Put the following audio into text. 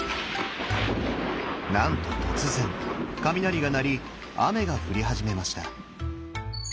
なんと突然雷が鳴り雨が降り始めました。